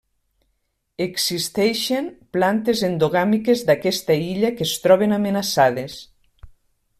Existeixen plantes endogàmiques d'aquesta illa que es troben amenaçades.